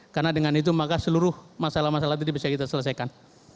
karena dengan itu maka seluruh masalah masalah itu bisa kita selesaikan